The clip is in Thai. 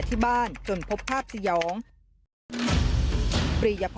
มีความรู้สึกว่า